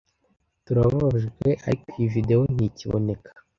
Turababajwe ariko iyi video ntikiboneka.